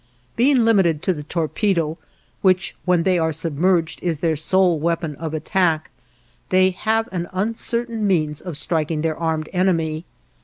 Being limited to the torpedo, which, when they are submerged, is their sole weapon of attack, they have an uncertain means of striking their armed enemy.